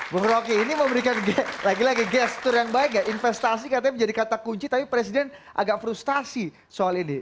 bung roky ini memberikan lagi lagi gestur yang baik ya investasi katanya menjadi kata kunci tapi presiden agak frustasi soal ini